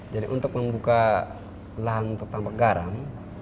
jadi untuk membuka lahan untuk tampak garam